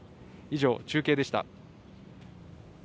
以上、中継でした。